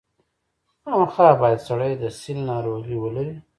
خامخا باید سړی د سِل ناروغي ولري.